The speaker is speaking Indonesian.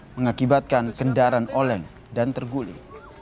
mengakibatkan kendaraan oleng dan terguli